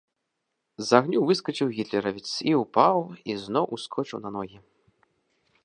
З агню выскачыў гітлеравец і ўпаў і зноў ускочыў на ногі.